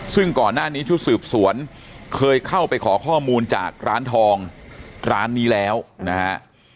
ซึ่งก่อนหน้านี้ชุดสืบสวนเคยเข้าไปขอข้อมูลจากร้านทองร้านนี้แล้วนะฮะ